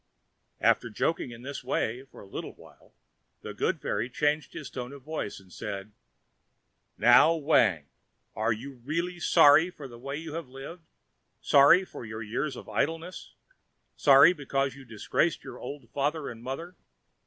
After joking in this way for a little while, the good fairy changed his tone of voice and said, "Now, Wang, are you really sorry for the way you have lived, sorry for your years of idleness, sorry because you disgraced your old Father and Mother?